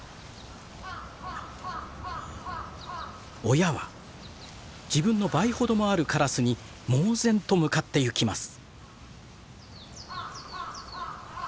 親は自分の倍ほどもあるカラスに猛然と向かってゆきます。